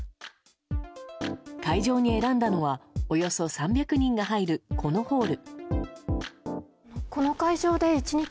会場に選んだのはおよそ３００人が入るこのホール。